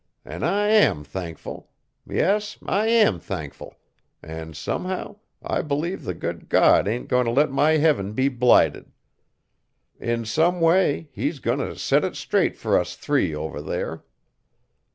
An' I am thankful! Yes, I am thankful, an' somehow I believe the good God ain't goin' t' let my heaven be blighted. In some way, He's goin' t' set it straight fur us three over there!